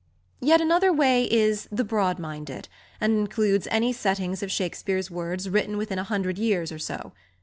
Yet another way is the "broad minded," and includes any setting of Shakespeare's words written within a hundred years or so.